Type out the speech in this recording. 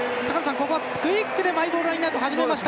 ここは、クイックでマイボールラインアウト。